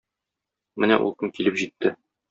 Менә ул көн килеп җитте.